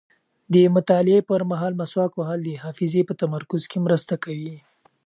د مطالعې پر مهال مسواک وهل د حافظې په تمرکز کې مرسته کوي.